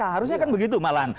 harusnya kan begitu malahan